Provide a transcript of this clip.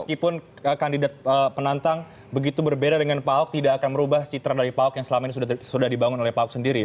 jadi meskipun kandidat penantang begitu berbeda dengan pak ahok tidak akan merubah citra dari pak ahok yang selama ini sudah dibangun oleh pak ahok sendiri